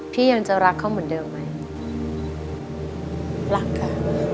พี่ยังจะรักเขาเหมือนเดิมไหมรักค่ะ